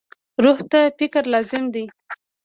روح ته حق لازم دی.